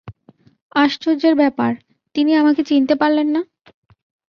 আশ্চর্যের ব্যাপার, তিনি আমাকে চিনতে পারলেন না!